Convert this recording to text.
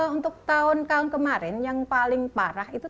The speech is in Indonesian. untuk tahun tahun kemarin yang paling paling kering